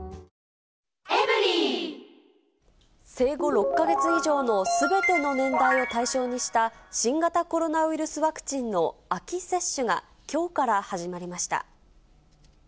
生後６か月以上のすべての年代を対象にした新型コロナウイルスワクチンの秋接種がきょうから始まりました。